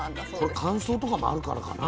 これ乾燥とかもあるからかな？